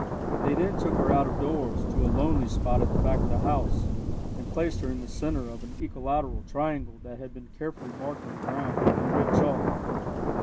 They then took her out of doors, to a lonely spot at the back of the house, and placed her in the centre of an equilateral triangle that had been carefully marked on the ground, in red chalk.